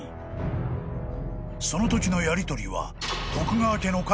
［そのときのやりとりは］